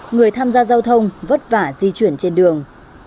người tham gia giao thông vất vả di chuyển trên đường